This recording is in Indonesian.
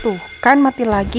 tuh kan mati lagi